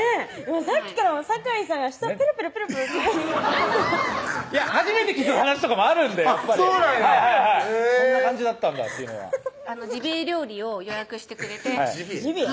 さっきから酒井さんが舌ペロペロペロペロ初めて聞く話とかもあるんでやっぱりそうなんやそんな感じだったんだというのはジビエ料理を予約してくれてジビエ